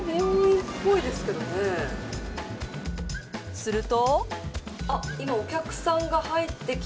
すると。